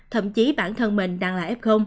thậm chí bản thân mình đang là f